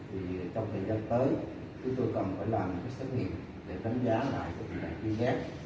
thì trong thời gian tới thì tôi cần phải làm một cái xét nghiệm để đánh giá lại cái tình trạng tiền giáp